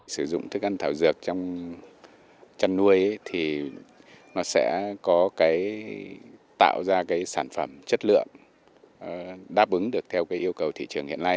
sử dụng thức ăn thảo dược trong chăn nuôi thì nó sẽ có cái tạo ra cái sản phẩm chất lượng đáp ứng được theo cái yêu cầu thị trường hiện nay